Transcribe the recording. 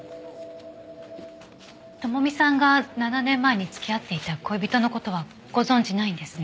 朋美さんが７年前に付き合っていた恋人の事はご存じないんですね？